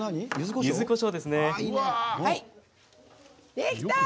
できた！